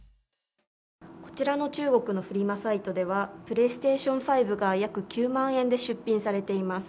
こちらの中国のフリマサイトではプレイステーション５が約９万円で出品されています。